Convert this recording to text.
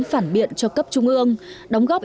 phản biện cho cấp trung ương đóng góp